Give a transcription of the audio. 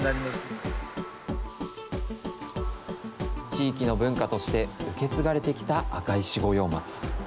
地域の文化として受け継がれてきた赤石五葉松。